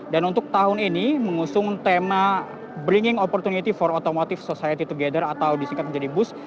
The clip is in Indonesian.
dan untuk tahun ini mengusung tema bringing opportunity for automotive society together atau disingkat menjadi bus